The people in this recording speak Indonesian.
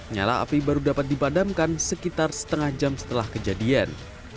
nyala api baru dapat dipadamkan sekitar setengah jam setelah kejadian